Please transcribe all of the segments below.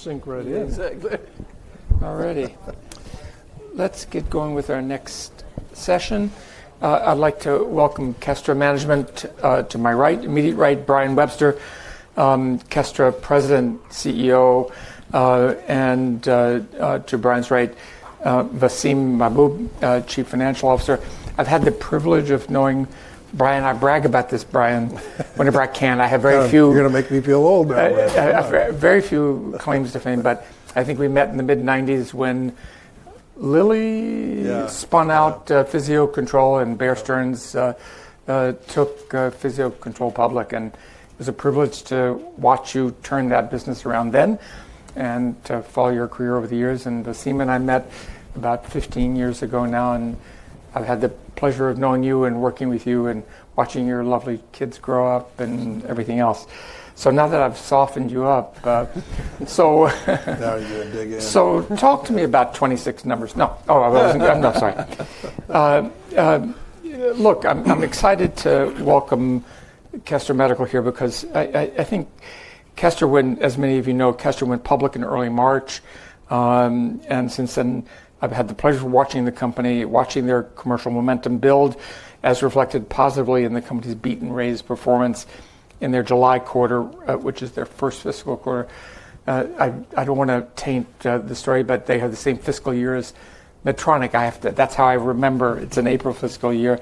Sync right in. Exactly. All righty. Let's get going with our next session. I'd like to welcome Kestra Management to my right, immediate right, Brian Webster, Kestra President, CEO, and to Brian's right, Vaseem Mahboob, Chief Financial Officer. I've had the privilege of knowing Brian. I brag about this, Brian, whenever I can. I have very few. You're going to make me feel old. Very few claims to fame, but I think we met in the mid-1990s when Lilly spun out Physio-Control and Bear Stearns took Physio-Control public. It was a privilege to watch you turn that business around then and to follow your career over the years. Vaseem and I met about 15 years ago now, and I've had the pleasure of knowing you and working with you and watching your lovely kids grow up and everything else. Now that I've softened you up, so. Now you're a big end. Talk to me about 26 numbers. No. Oh, I'm not talking. Look, I'm excited to welcome Kestra Medical here because I think Kestra went, as many of you know, Kestra went public in early March. Since then, I've had the pleasure of watching the company, watching their commercial momentum build as reflected positively in the company's beat and raise performance in their July quarter, which is their first fiscal quarter. I don't want to taint the story, but they have the same fiscal year as Medtronic. That's how I remember. It's an April fiscal year.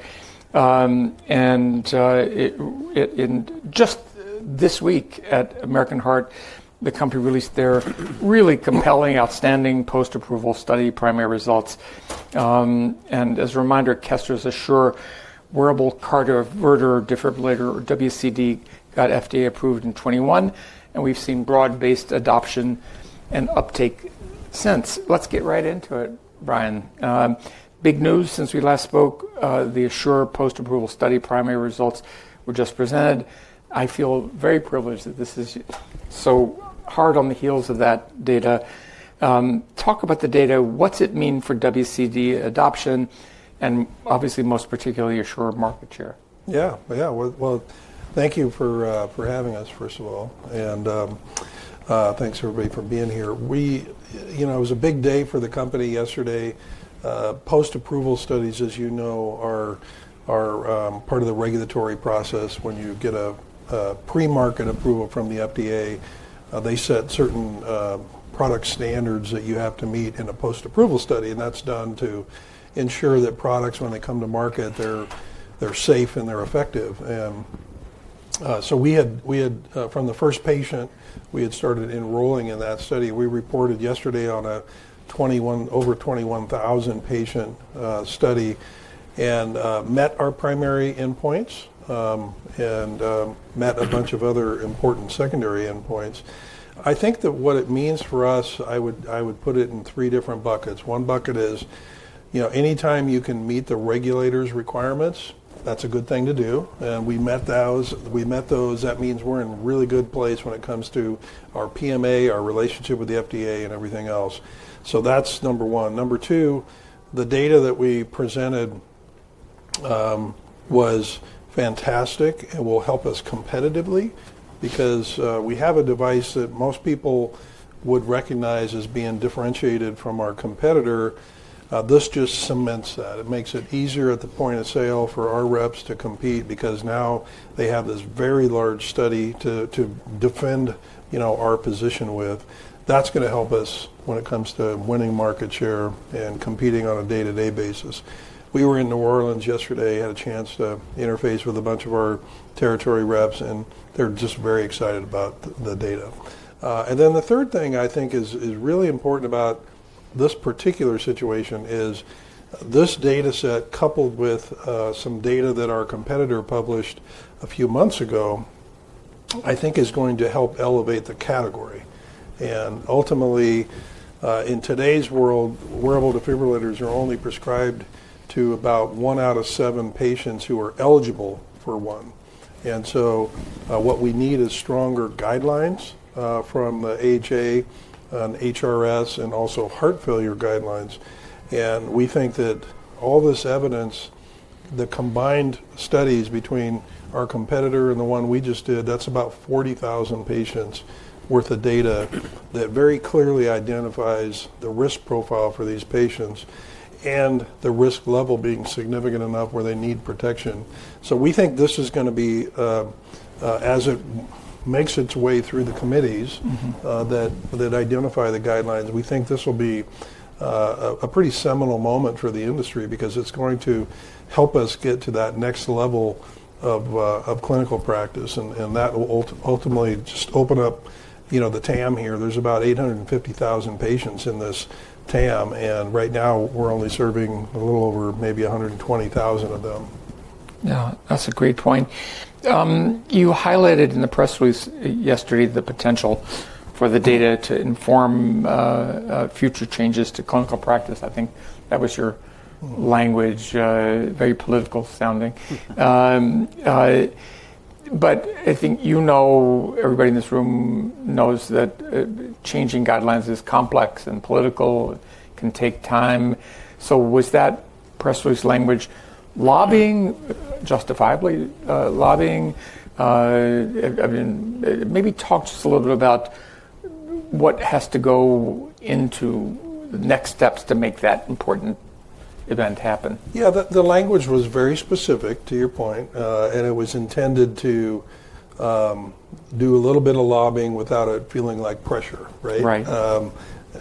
Just this week at American Heart, the company released their really compelling, outstanding post-approval study, primary results. As a reminder, Kestra's ASSURE Wearable Cardioverter Defibrillator, WCD, got FDA approved in 2021, and we've seen broad-based adoption and uptake since. Let's get right into it, Brian. Big news since we last spoke. The ASSURE post-approval study, primary results were just presented. I feel very privileged that this is so hard on the heels of that data. Talk about the data. What's it mean for WCD adoption and obviously, most particularly, ASSURE market share? Yeah. Yeah. Thank you for having us, first of all. Thanks everybody for being here. It was a big day for the company yesterday. Post-approval studies, as you know, are part of the regulatory process. When you get a pre-market approval from the FDA, they set certain product standards that you have to meet in a post-approval study. That is done to ensure that products, when they come to market, are safe and effective. We had, from the first patient, started enrolling in that study. We reported yesterday on an over 21,000 patient study and met our primary endpoints and met a bunch of other important secondary endpoints. I think that what it means for us, I would put it in three different buckets. One bucket is anytime you can meet the regulator's requirements, that's a good thing to do. We met those. That means we're in a really good place when it comes to our PMA, our relationship with the FDA, and everything else. That's number one. Number two, the data that we presented was fantastic and will help us competitively because we have a device that most people would recognize as being differentiated from our competitor. This just cements that. It makes it easier at the point of sale for our reps to compete because now they have this very large study to defend our position with. That's going to help us when it comes to winning market share and competing on a day-to-day basis. We were in New Orleans yesterday, had a chance to interface with a bunch of our territory reps, and they're just very excited about the data. The third thing I think is really important about this particular situation is this data set coupled with some data that our competitor published a few months ago, I think is going to help elevate the category. Ultimately, in today's world, wearable defibrillators are only prescribed to about one out of seven patients who are eligible for one. What we need is stronger guidelines from the AHA and HRS and also heart failure guidelines. We think that all this evidence, the combined studies between our competitor and the one we just did, that's about 40,000 patients' worth of data that very clearly identifies the risk profile for these patients and the risk level being significant enough where they need protection. We think this is going to be, as it makes its way through the committees that identify the guidelines, we think this will be a pretty seminal moment for the industry because it's going to help us get to that next level of clinical practice. That will ultimately just open up the TAM here. There's about 850,000 patients in this TAM. Right now, we're only serving a little over maybe 120,000 of them. Yeah. That's a great point. You highlighted in the press release yesterday the potential for the data to inform future changes to clinical practice. I think that was your language, very political-sounding. I think everybody in this room knows that changing guidelines is complex and political, can take time. Was that press release language justifiably lobbying? I mean, maybe talk just a little bit about what has to go into the next steps to make that important event happen. Yeah. The language was very specific, to your point, and it was intended to do a little bit of lobbying without it feeling like pressure, right? Right.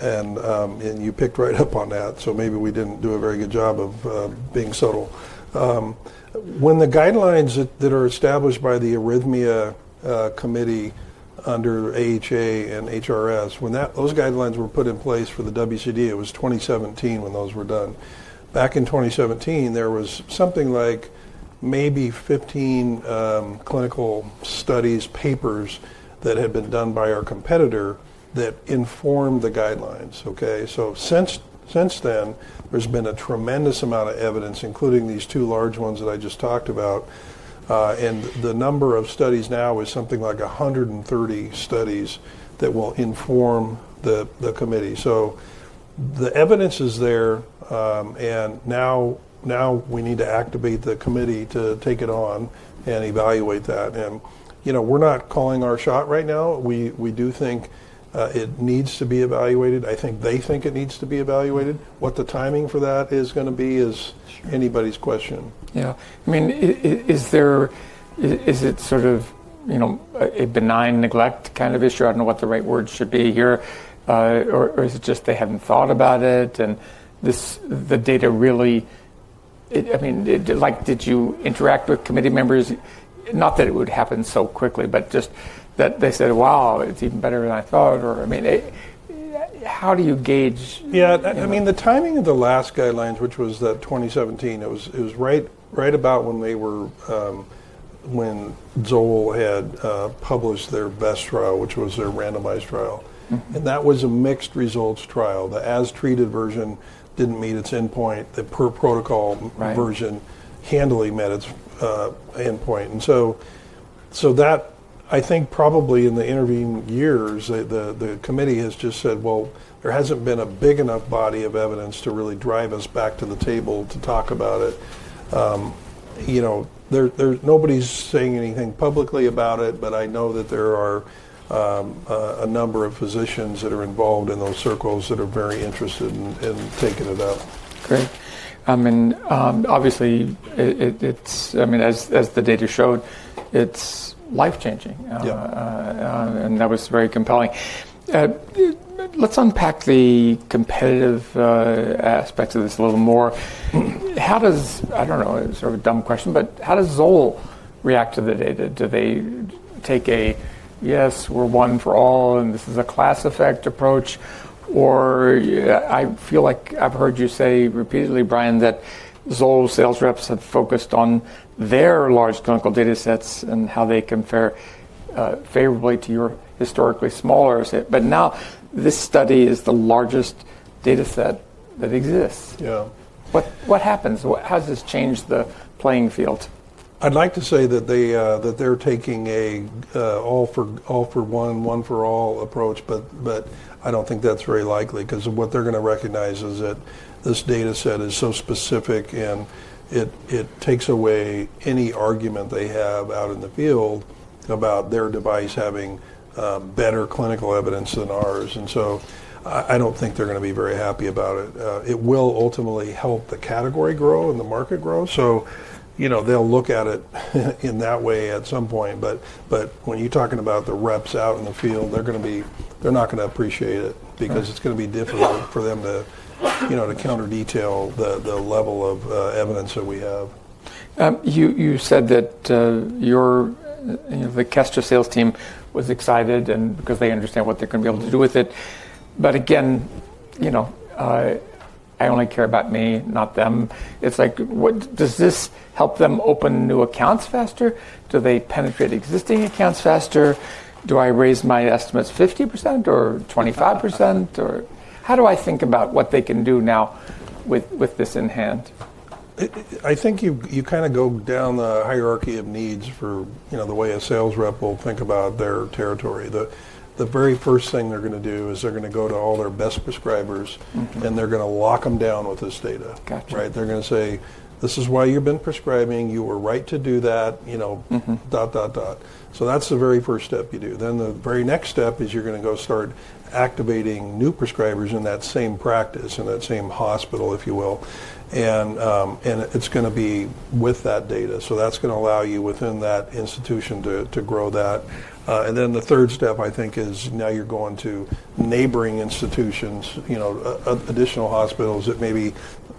You picked right up on that. Maybe we did not do a very good job of being subtle. When the guidelines that are established by the arrhythmia committee under AHA and HRS, when those guidelines were put in place for the WCD, it was 2017 when those were done. Back in 2017, there was something like maybe 15 clinical studies, papers that had been done by our competitor that informed the guidelines. Okay? Since then, there has been a tremendous amount of evidence, including these two large ones that I just talked about. The number of studies now is something like 130 studies that will inform the committee. The evidence is there. Now we need to activate the committee to take it on and evaluate that. We are not calling our shot right now. We do think it needs to be evaluated. I think they think it needs to be evaluated. What the timing for that is going to be is anybody's question. Yeah. I mean, is it sort of a benign neglect kind of issue? I don't know what the right word should be here. Is it just they haven't thought about it? And the data really, I mean, did you interact with committee members? Not that it would happen so quickly, but just that they said, "Wow, it's even better than I thought." I mean, how do you gauge? Yeah. I mean, the timing of the last guidelines, which was that 2017, it was right about when Zoll had published their best trial, which was their randomized trial. And that was a mixed results trial. The as-treated version didn't meet its endpoint. The per protocol version handily met its endpoint. That, I think, probably in the intervening years, the committee has just said, "Well, there hasn't been a big enough body of evidence to really drive us back to the table to talk about it." Nobody's saying anything publicly about it, but I know that there are a number of physicians that are involved in those circles that are very interested in taking it up. Great. I mean, obviously, I mean, as the data showed, it's life-changing. And that was very compelling. Let's unpack the competitive aspects of this a little more. I don't know, sort of a dumb question, but how does Zoll react to the data? Do they take a, "Yes, we're one for all, and this is a class effect approach"? Or I feel like I've heard you say repeatedly, Brian, that Zoll sales reps have focused on their large clinical data sets and how they compare favorably to your historically smaller set. But now this study is the largest data set that exists. Yeah. What happens? How does this change the playing field? I'd like to say that they're taking an all-for-one, one-for-all approach, but I don't think that's very likely because what they're going to recognize is that this data set is so specific, and it takes away any argument they have out in the field about their device having better clinical evidence than ours. I don't think they're going to be very happy about it. It will ultimately help the category grow and the market grow. They'll look at it in that way at some point. When you're talking about the reps out in the field, they're not going to appreciate it because it's going to be difficult for them to counter-detail the level of evidence that we have. You said that the Kestra sales team was excited because they understand what they're going to be able to do with it. But again, I only care about me, not them. It's like, does this help them open new accounts faster? Do they penetrate existing accounts faster? Do I raise my estimates 50% or 25%? Or how do I think about what they can do now with this in hand? I think you kind of go down the hierarchy of needs for the way a sales rep will think about their territory. The very first thing they're going to do is they're going to go to all their best prescribers, and they're going to lock them down with this data. Right? They're going to say, "This is why you've been prescribing. You were right to do that," dot, dot, dot. That's the very first step you do. The very next step is you're going to go start activating new prescribers in that same practice, in that same hospital, if you will. It's going to be with that data. That's going to allow you within that institution to grow that. The third step, I think, is now you're going to neighboring institutions, additional hospitals that maybe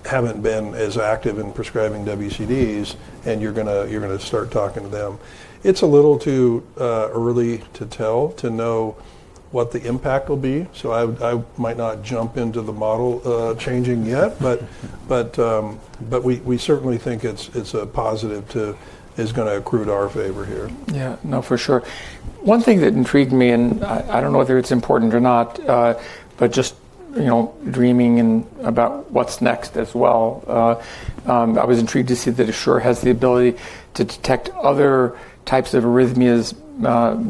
haven't been as active in prescribing WCDs, and you're going to start talking to them. It's a little too early to tell to know what the impact will be. I might not jump into the model changing yet, but we certainly think it's a positive to—it's going to accrue to our favor here. Yeah. No, for sure. One thing that intrigued me, and I don't know whether it's important or not, but just dreaming about what's next as well. I was intrigued to see that ASSURE has the ability to detect other types of arrhythmias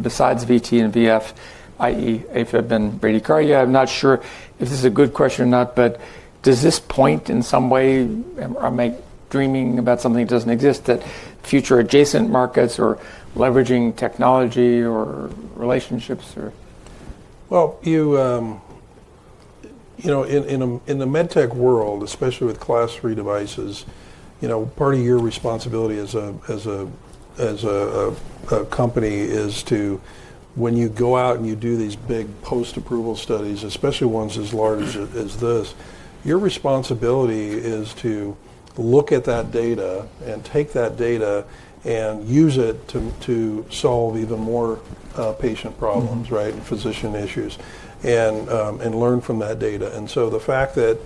besides VT and VF, i.e., AFib and bradycardia. I'm not sure if this is a good question or not, but does this point in some way—I'm dreaming about something that doesn't exist—that future adjacent markets or leveraging technology or relationships? In the med tech world, especially with Class III devices, part of your responsibility as a company is to, when you go out and you do these big post-approval studies, especially ones as large as this, your responsibility is to look at that data and take that data and use it to solve even more patient problems, right, and physician issues, and learn from that data. The fact that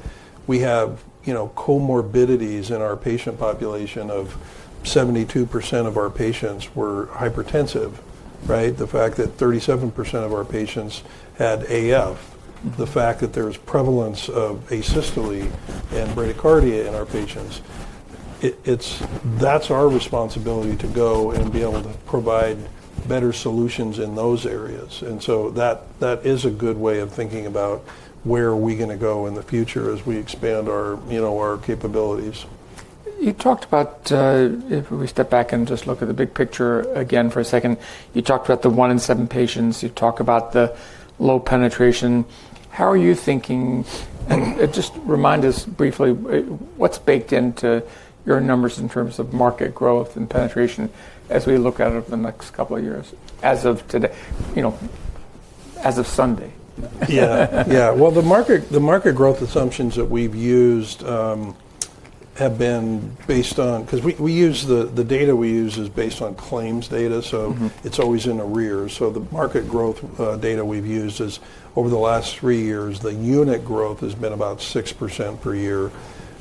we have comorbidities in our patient population of 72% of our patients were hypertensive, right? The fact that 37% of our patients had AF, the fact that there is prevalence of asystole and bradycardia in our patients, that is our responsibility to go and be able to provide better solutions in those areas. That is a good way of thinking about where are we going to go in the future as we expand our capabilities. You talked about, if we step back and just look at the big picture again for a second, you talked about the one in seven patients. You talk about the low penetration. How are you thinking? And just remind us briefly, what's baked into your numbers in terms of market growth and penetration as we look at it over the next couple of years? As of Sunday. Yeah. Yeah. The market growth assumptions that we've used have been based on— because we use the data we use is based on claims data, so it's always in the rear. The market growth data we've used is over the last three years, the unit growth has been about 6% per year.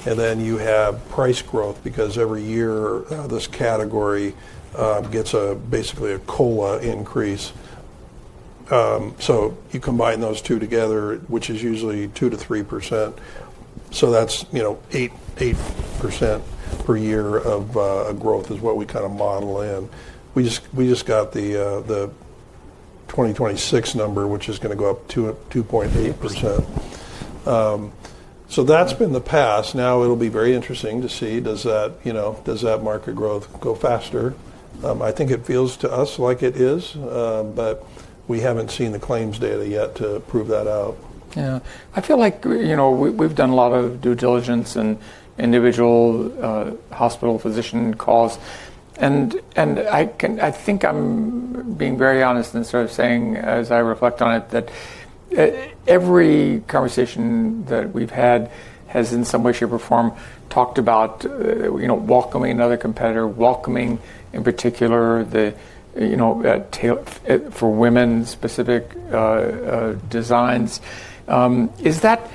Then you have price growth because every year this category gets basically a COLA increase. You combine those two together, which is usually 2%-3%. That's 8% per year of growth is what we kind of model in. We just got the 2026 number, which is going to go up 2.8%. That's been the past. Now it'll be very interesting to see, does that market growth go faster? I think it feels to us like it is, but we haven't seen the claims data yet to prove that out. Yeah. I feel like we've done a lot of due diligence and individual hospital physician calls. I think I'm being very honest in sort of saying, as I reflect on it, that every conversation that we've had has, in some way, shape, or form, talked about welcoming another competitor, welcoming, in particular, for women-specific designs. Is that,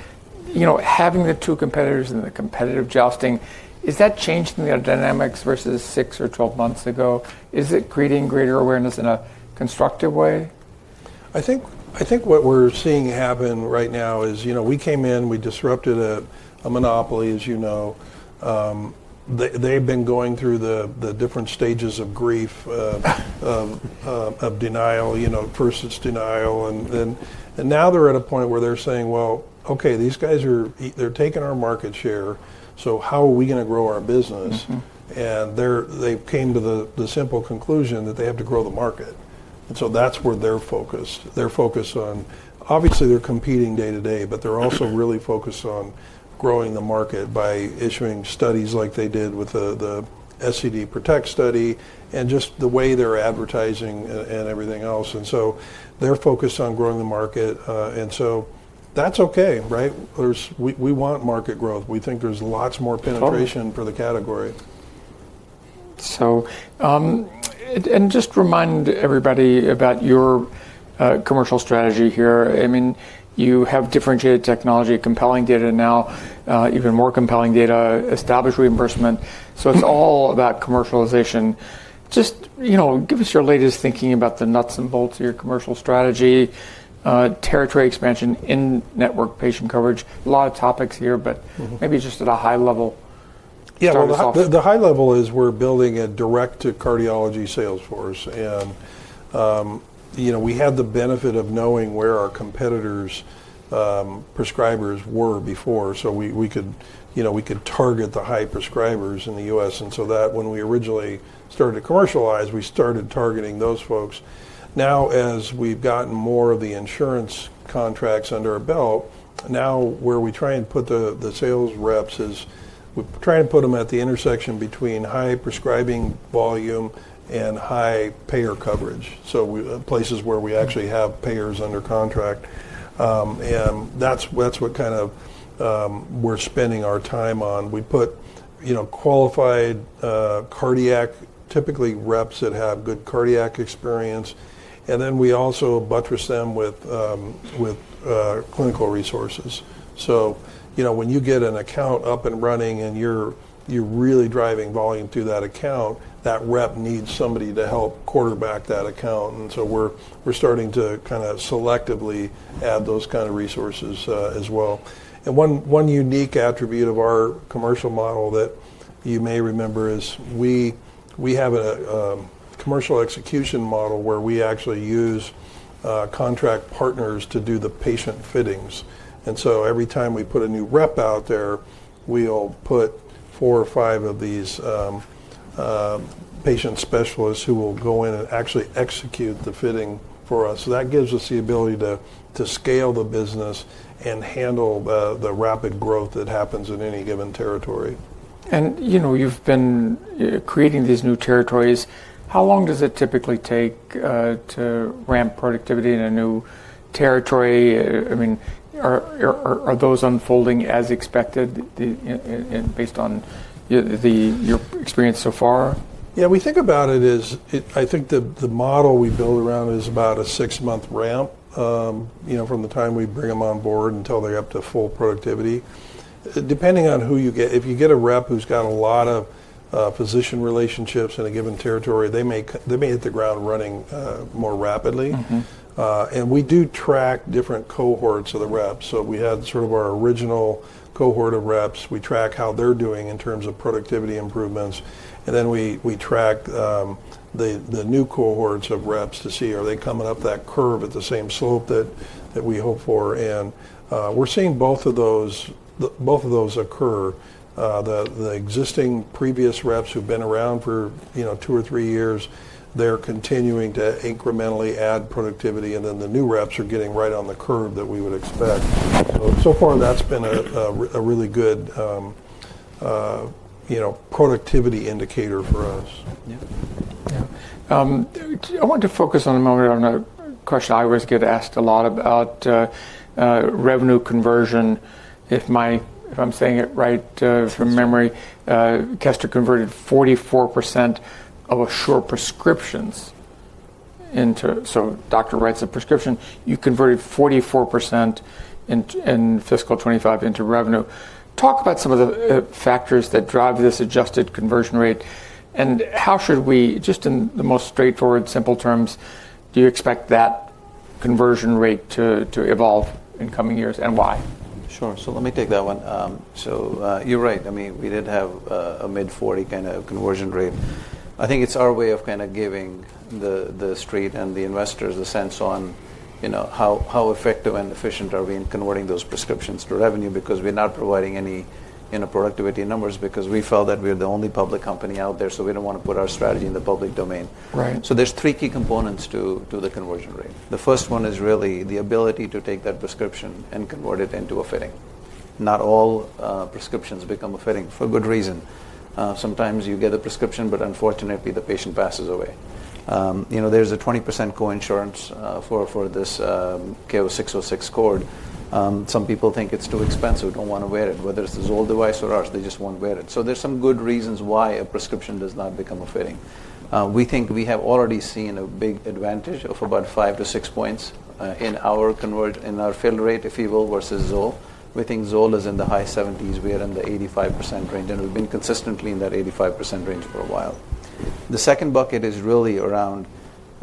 having the two competitors and the competitive jousting, is that changing their dynamics versus 6 or 12 months ago? Is it creating greater awareness in a constructive way? I think what we're seeing happen right now is we came in, we disrupted a monopoly, as you know. They've been going through the different stages of grief, of denial, first it's denial. Now they're at a point where they're saying, "Well, okay, these guys, they're taking our market share. How are we going to grow our business?" They came to the simple conclusion that they have to grow the market. That's where they're focused. They're focused on, obviously, they're competing day to day, but they're also really focused on growing the market by issuing studies like they did with the SCD-PROTECT study and just the way they're advertising and everything else. They're focused on growing the market. That's okay, right? We want market growth. We think there's lots more penetration for the category. And just remind everybody about your commercial strategy here. I mean, you have differentiated technology, compelling data now, even more compelling data, established reimbursement. So it's all about commercialization. Just give us your latest thinking about the nuts and bolts of your commercial strategy, territory expansion in network patient coverage. A lot of topics here, but maybe just at a high level. Yeah. The high level is we're building a direct-to-cardiology sales force. We had the benefit of knowing where our competitors' prescribers were before, so we could target the high prescribers in the U.S. When we originally started to commercialize, we started targeting those folks. Now, as we've gotten more of the insurance contracts under our belt, where we try and put the sales reps is at the intersection between high prescribing volume and high payer coverage, so places where we actually have payers under contract. That's what we're spending our time on. We put qualified cardiac, typically reps that have good cardiac experience, and then we also buttress them with clinical resources. When you get an account up and running and you're really driving volume through that account, that rep needs somebody to help quarterback that account. We're starting to kind of selectively add those kind of resources as well. One unique attribute of our commercial model that you may remember is we have a commercial execution model where we actually use contract partners to do the patient fittings. Every time we put a new rep out there, we'll put four or five of these patient specialists who will go in and actually execute the fitting for us. That gives us the ability to scale the business and handle the rapid growth that happens in any given territory. You've been creating these new territories. How long does it typically take to ramp productivity in a new territory? I mean, are those unfolding as expected based on your experience so far? Yeah. We think about it as I think the model we build around is about a six-month ramp from the time we bring them on board until they're up to full productivity. Depending on who you get, if you get a rep who's got a lot of physician relationships in a given territory, they may hit the ground running more rapidly. We do track different cohorts of the reps. We had sort of our original cohort of reps. We track how they're doing in terms of productivity improvements. We track the new cohorts of reps to see, are they coming up that curve at the same slope that we hope for? We're seeing both of those occur. The existing previous reps who've been around for two or three years, they're continuing to incrementally add productivity. The new reps are getting right on the curve that we would expect. So far, that's been a really good productivity indicator for us. Yeah. Yeah. I want to focus for a moment on a question I always get asked a lot about revenue conversion. If I'm saying it right from memory, Kestra converted 44% of ASSURE prescriptions into—so doctor writes a prescription. You converted 44% in fiscal 2025 into revenue. Talk about some of the factors that drive this adjusted conversion rate. How should we, just in the most straightforward, simple terms, do you expect that conversion rate to evolve in coming years and why? Sure. Let me take that one. You're right. I mean, we did have a mid-40 kind of conversion rate. I think it's our way of kind of giving the street and the investors a sense on how effective and efficient are we in converting those prescriptions to revenue because we're not providing any productivity numbers because we felt that we were the only public company out there. We don't want to put our strategy in the public domain. There are three key components to the conversion rate. The first one is really the ability to take that prescription and convert it into a fitting. Not all prescriptions become a fitting for good reason. Sometimes you get a prescription, but unfortunately, the patient passes away. There's a 20% coinsurance for this KO606 cord. Some people think it's too expensive. Don't want to wear it. Whether it's a Zoll device or ours, they just won't wear it. There are some good reasons why a prescription does not become a fitting. We think we have already seen a big advantage of about five to six points in our fill rate, if you will, versus Zoll. We think Zoll is in the high 70% range. We are in the 85% range. We have been consistently in that 85% range for a while. The second bucket is really around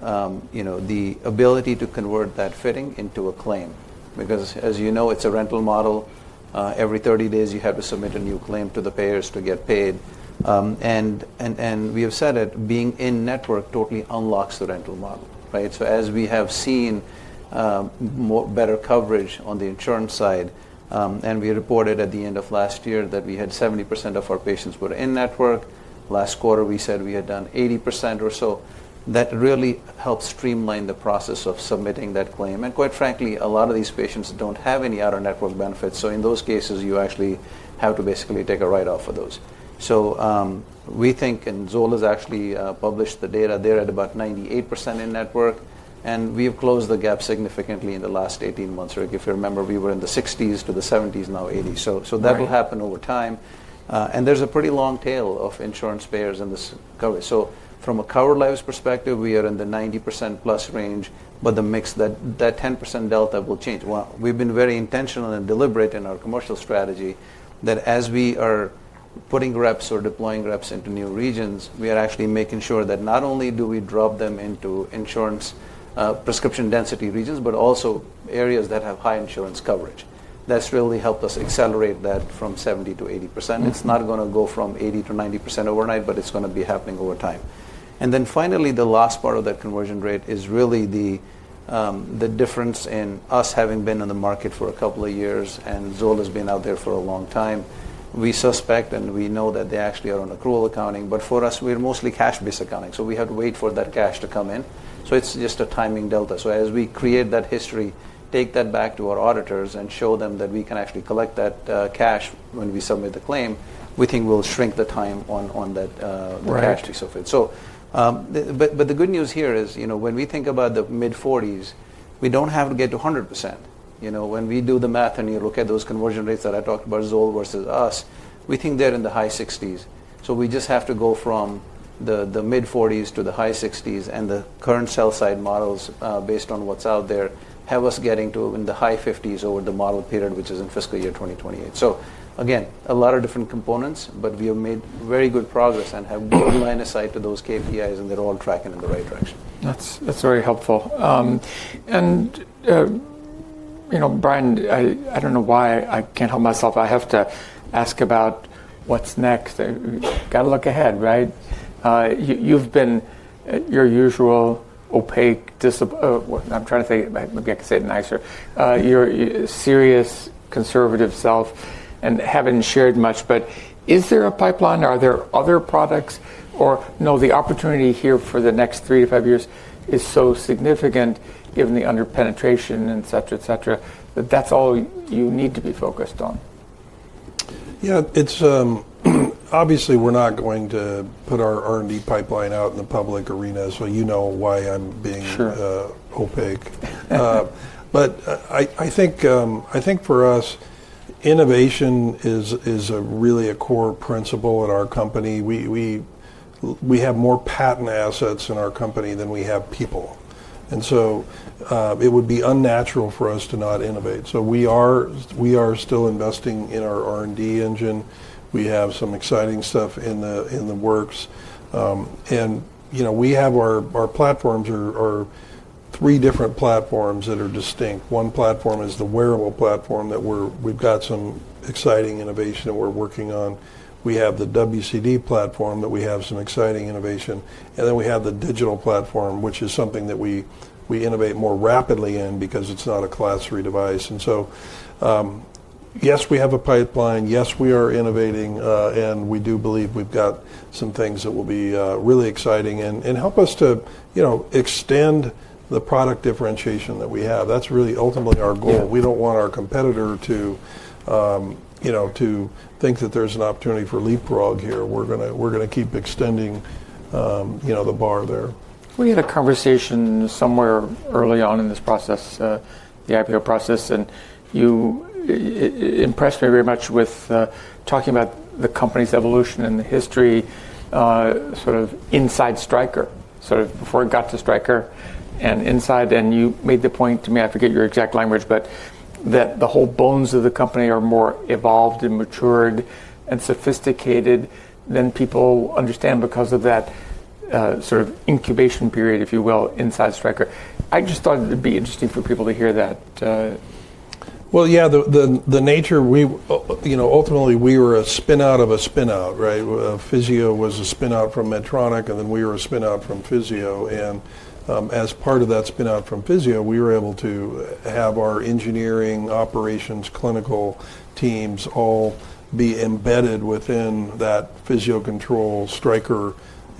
the ability to convert that fitting into a claim. Because as you know, it's a rental model. Every 30 days, you have to submit a new claim to the payers to get paid. We have said that being in network totally unlocks the rental model, right? As we have seen better coverage on the insurance side, and we reported at the end of last year that we had 70% of our patients who were in network. Last quarter, we said we had done 80% or so. That really helps streamline the process of submitting that claim. And quite frankly, a lot of these patients do not have any out-of-network benefits. In those cases, you actually have to basically take a write-off for those. We think, and Zoll has actually published the data, they are at about 98% in network. We have closed the gap significantly in the last 18 months. If you remember, we were in the 60%-70% range, now 80%. That will happen over time. There is a pretty long tail of insurance payers in this cover. From a covered lives perspective, we are in the 90% plus range, but the mix, that 10% delta will change. We have been very intentional and deliberate in our commercial strategy that as we are putting reps or deploying reps into new regions, we are actually making sure that not only do we drop them into insurance prescription density regions, but also areas that have high insurance coverage. That has really helped us accelerate that from 70%-80%. It is not going to go from 80%-90% overnight, but it is going to be happening over time. Finally, the last part of the conversion rate is really the difference in us having been in the market for a couple of years and Zoll has been out there for a long time. We suspect and we know that they actually are on accrual accounting, but for us, we're mostly cash-based accounting. We have to wait for that cash to come in. It's just a timing delta. As we create that history, take that back to our auditors and show them that we can actually collect that cash when we submit the claim, we think we'll shrink the time on that cash piece of it. The good news here is when we think about the mid-40s, we don't have to get to 100%. When we do the math and you look at those conversion rates that I talked about, Zoll versus us, we think they're in the high 60s. We just have to go from the mid-40s to the high 60s and the current sell-side models based on what's out there have us getting to in the high 50s over the model period, which is in fiscal year 2028. Again, a lot of different components, but we have made very good progress and have given an aside to those KPIs and they're all tracking in the right direction. That's very helpful. Brian, I don't know why I can't help myself. I have to ask about what's next. Got to look ahead, right? You've been your usual opaque, I'm trying to say, maybe I can say it nicer. You're your serious conservative self and haven't shared much, but is there a pipeline? Are there other products? Or no, the opportunity here for the next three to five years is so significant given the under penetration, et cetera, et cetera, that that's all you need to be focused on. Yeah. Obviously, we're not going to put our R&D pipeline out in the public arena. So you know why I'm being opaque. But I think for us, innovation is really a core principle at our company. We have more patent assets in our company than we have people. And so it would be unnatural for us to not innovate. So we are still investing in our R&D engine. We have some exciting stuff in the works. And we have our platforms, three different platforms that are distinct. One platform is the wearable platform that we've got some exciting innovation that we're working on. We have the WCD platform that we have some exciting innovation. And then we have the digital platform, which is something that we innovate more rapidly in because it's not a class III device. And so yes, we have a pipeline. Yes, we are innovating. We do believe we've got some things that will be really exciting and help us to extend the product differentiation that we have. That's really ultimately our goal. We don't want our competitor to think that there's an opportunity for leapfrog here. We're going to keep extending the bar there. We had a conversation somewhere early on in this process, the IPO process. You impressed me very much with talking about the company's evolution and the history sort of inside Stryker, sort of before it got to Stryker. Inside, and you made the point to me, I forget your exact language, but that the whole bones of the company are more evolved and matured and sophisticated than people understand because of that sort of incubation period, if you will, inside Stryker. I just thought it'd be interesting for people to hear that. Yeah, the nature, ultimately, we were a spinout of a spinout, right? Physio was a spinout from Medtronic, and then we were a spinout from Physio. As part of that spinout from Physio, we were able to have our engineering, operations, clinical teams all be embedded within that Physio-Control Stryker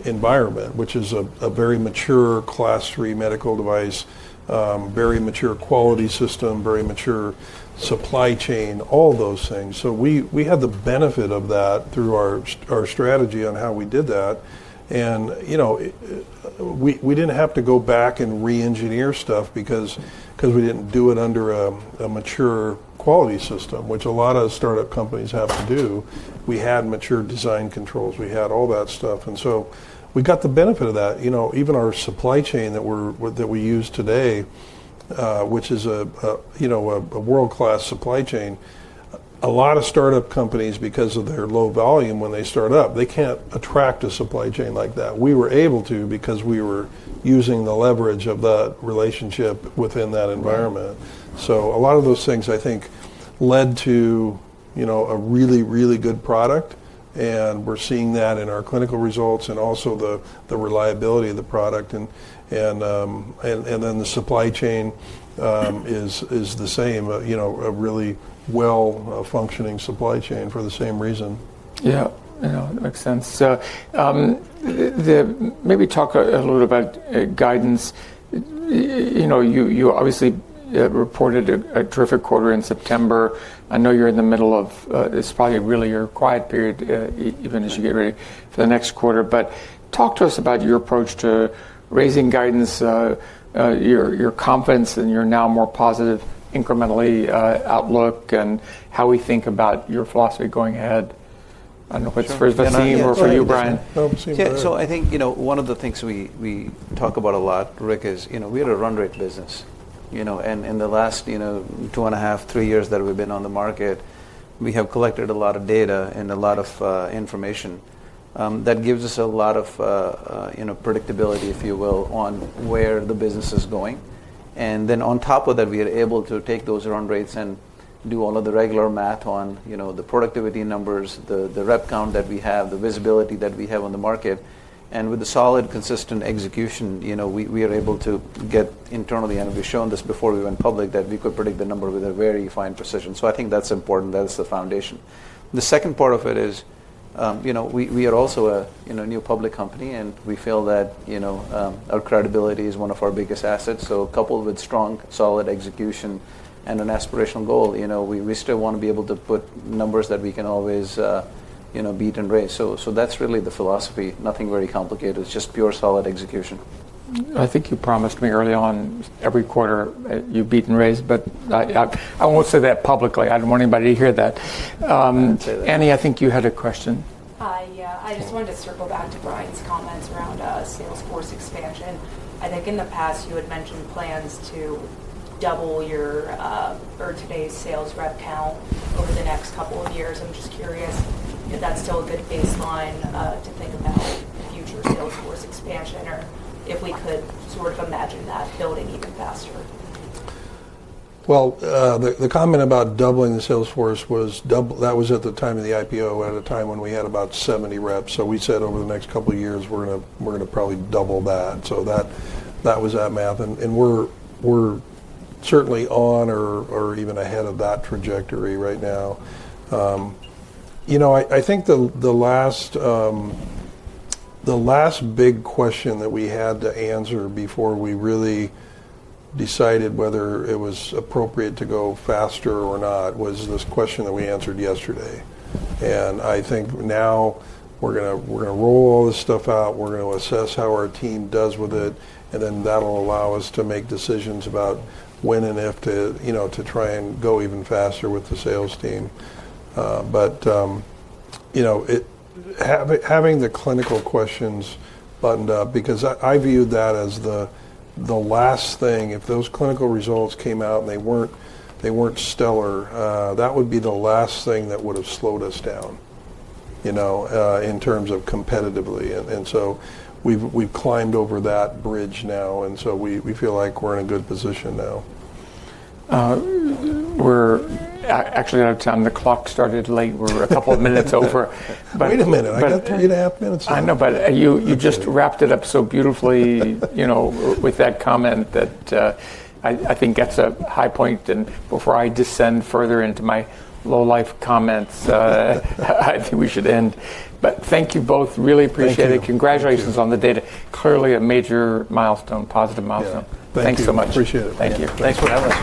environment, which is a very mature Class III medical device, very mature quality system, very mature supply chain, all those things. We had the benefit of that through our strategy on how we did that. We did not have to go back and re-engineer stuff because we did not do it under a mature quality system, which a lot of startup companies have to do. We had mature design controls. We had all that stuff. We got the benefit of that. Even our supply chain that we use today, which is a world-class supply chain, a lot of startup companies, because of their low volume when they start up, they cannot attract a supply chain like that. We were able to because we were using the leverage of that relationship within that environment. A lot of those things, I think, led to a really, really good product. We are seeing that in our clinical results and also the reliability of the product. The supply chain is the same, a really well-functioning supply chain for the same reason. Yeah. Yeah. That makes sense. Maybe talk a little bit about guidance. You obviously reported a terrific quarter in September. I know you're in the middle of, it's probably really your quiet period, even as you get ready for the next quarter. Talk to us about your approach to raising guidance, your confidence, and your now more positive incrementally outlook and how we think about your philosophy going ahead. I don't know if it's for the team or for you, Brian. I think one of the things we talk about a lot, Rick, is we had a run rate business. In the last two and a half, three years that we've been on the market, we have collected a lot of data and a lot of information that gives us a lot of predictability, if you will, on where the business is going. On top of that, we are able to take those run rates and do all of the regular math on the productivity numbers, the rep count that we have, the visibility that we have on the market. With the solid, consistent execution, we are able to get internally, and we've shown this before we went public, that we could predict the number with a very fine precision. I think that's important. That's the foundation. The second part of it is we are also a new public company, and we feel that our credibility is one of our biggest assets. Coupled with strong, solid execution and an aspirational goal, we still want to be able to put numbers that we can always beat and raise. That's really the philosophy. Nothing very complicated. It's just pure solid execution. I think you promised me early on every quarter you beat and raise, but I won't say that publicly. I don't want anybody to hear that. Annie, I think you had a question. Hi. Yeah. I just wanted to circle back to Brian's comments around Salesforce expansion. I think in the past, you had mentioned plans to double your birthday sales rep count over the next couple of years. I'm just curious if that's still a good baseline to think about the future Salesforce expansion and if we could sort of imagine that building even faster. The comment about doubling the Salesforce was that was at the time of the IPO at a time when we had about 70 reps. We said over the next couple of years, we're going to probably double that. That was that math. We're certainly on or even ahead of that trajectory right now. I think the last big question that we had to answer before we really decided whether it was appropriate to go faster or not was this question that we answered yesterday. I think now we're going to roll all this stuff out. We're going to assess how our team does with it. That'll allow us to make decisions about when and if to try and go even faster with the sales team. Having the clinical questions buttoned up, because I viewed that as the last thing, if those clinical results came out and they were not stellar, that would be the last thing that would have slowed us down in terms of competitively. We have climbed over that bridge now. We feel like we are in a good position now. We're actually going to tell him the clock started late. We're a couple of minutes over. Wait a minute. I got three and a half minutes left. I know, but you just wrapped it up so beautifully with that comment that I think that's a high point. Before I descend further into my low-life comments, I think we should end. Thank you both. Really appreciate it. Congratulations on the data. Clearly a major milestone, positive milestone. Thank you. Thanks so much. Appreciate it. Thank you. Thanks for letting us.